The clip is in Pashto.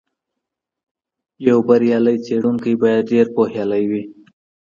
یو بریالی څېړونکی باید ډېر پوهیالی وي.